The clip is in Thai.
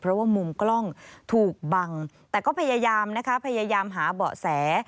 เพราะว่ามุมกล้องถูกบังแต่ก็พยายามนะคะพยายามหาเบาะแส